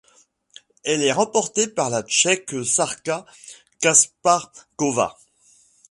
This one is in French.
Elle est remportée par la Tchèque Šárka Kašpárková.